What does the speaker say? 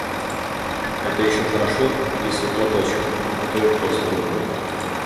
Это еще хорошо, если платочком, а то и просто рукой.